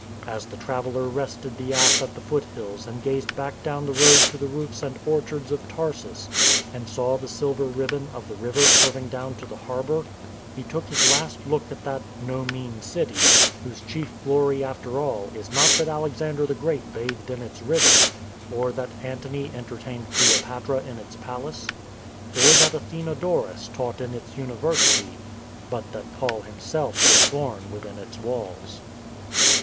As the traveller rested the ass at the foot hills and gazed back down the road to the roofs and orchards of Tarsus, and saw the silver ribbon of the river curv ing down to the harbour, he took his last look at that " no mean city," whose chief glory after all is not that Alexander the Great bathed in its river, or that Antony entertained Cleopatra in its palace, or that Atheno dorus taught in its university, but that Paul himself was born within its walls.